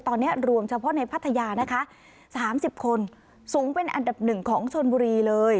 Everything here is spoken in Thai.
ตอนนี้รวมเฉพาะในพัทยานะคะ๓๐คนสูงเป็นอันดับหนึ่งของชนบุรีเลย